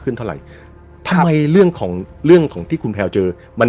เท่าไหร่ทำไมเรื่องของเรื่องของที่คุณแพลวเจอมัน